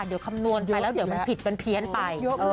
เดี๋ยวคำนวณไปแล้วมันผิดเกินเพี้ยนไป